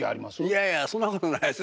いやいやそんなことないです。